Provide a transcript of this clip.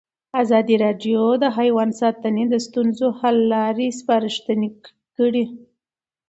ازادي راډیو د حیوان ساتنه د ستونزو حل لارې سپارښتنې کړي.